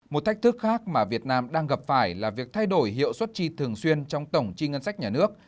một thách thức khác mà việt nam đang gặp phải là việc thay đổi hiệu xuất trì thường xuyên trong tổng trì ngân sách nhà nước